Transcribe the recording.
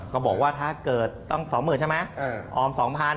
บอกว่าถ้าเกิดต้อง๒๐๐๐ใช่ไหมออม๒๐๐